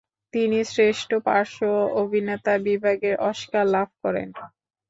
তিনি শ্রেষ্ঠ পার্শ্ব অভিনেতা বিভাগে অস্কার লাভ করেন।